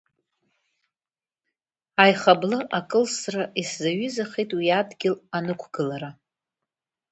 Аихаблы акылсра исзаҩызахеит уи адгьыл анықәгылара.